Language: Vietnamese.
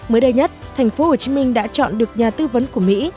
mới đây nhất tp hcm đã chọn được nhà tư vấn của mỹ